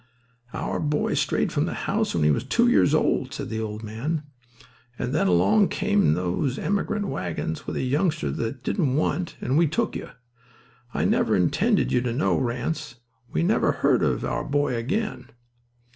"Our boy strayed from the house when he was two years old," said the old man. "And then along came those emigrant wagons with a youngster they didn't want; and we took you. I never intended you to know, Ranse. We never heard of our boy again."